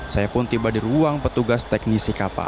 saya pun tiba di ruang petugas teknisiknya